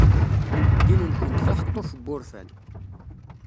Ddin-nkent d aḥeṭṭuf n wurfan.